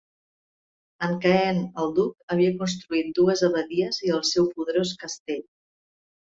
En Caen, el Duc havia construït dues abadies i el seu poderós castell.